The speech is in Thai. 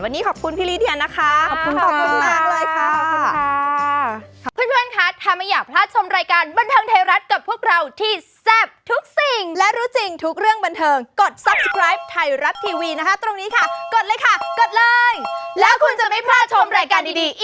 วันนี้ขอบคุณพี่ลีเดียนะคะขอบคุณขอบคุณมากเลยค่ะ